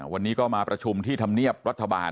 วันนี้ก็มาพรชมที่ทำเนียบรัฐบาล